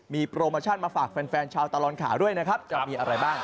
มีโปรโมชั่นมาฝากแฟนชาวตลอดข่าวด้วยนะครับจะมีอะไรบ้าง